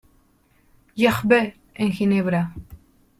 Gervais en Ginebra.